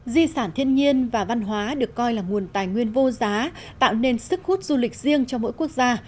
di sản thiên nhiên và văn hóa được coi là nguồn tài nguyên vô giá tạo nên sức hút du lịch riêng cho mỗi quốc gia